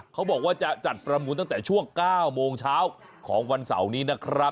เขาบอกว่าจะจัดประมูลตั้งแต่ช่วง๙โมงเช้าของวันเสาร์นี้นะครับ